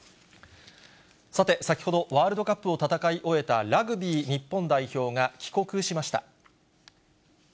さて、先ほどワールドカップを戦い終えたラグビー日本代表が帰国しました。